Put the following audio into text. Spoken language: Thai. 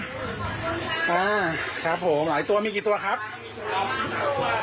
อ่าครับผมหลายตัวมีกี่ตัวครับ